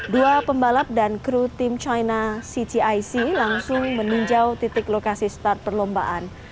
dua pembalap dan kru tim china ctic langsung meninjau titik lokasi start perlombaan